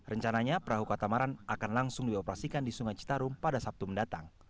rencananya perahu katamaran akan langsung dioperasikan di sungai citarum pada sabtu mendatang